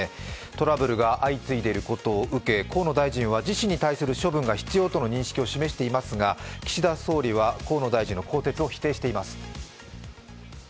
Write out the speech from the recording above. トラブルが相次いでいることを受け河野大臣は自身に対する処分が必要との認識を示していますが岸田総理は河野大臣の更迭を否定しています。